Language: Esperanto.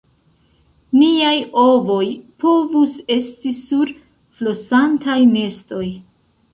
"Niaj ovoj povus esti sur flosantaj nestoj!"